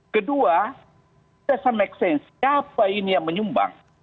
kedua kita harus mengerti siapa ini yang menyumbang